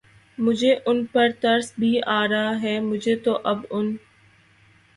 مجھے ان پر ترس بھی آ رہا ہے، مجھے تو اب ان